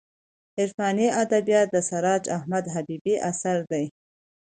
عرفاني ادبیات د سراج احمد حبیبي اثر دی.